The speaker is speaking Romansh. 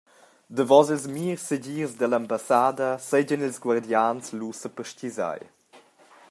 Davos ils mirs segirs dall’ambassada seigien ils guardians lu seperstgisai.